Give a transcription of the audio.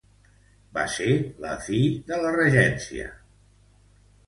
Va ser la fi de la regència d'Espartero.